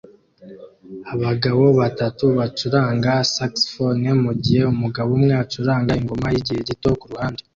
Abagabo batatu bacuranga saxofone mugihe umugabo umwe acuranga ingoma yigihe gito kuruhande